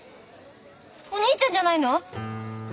おにいちゃんじゃないの？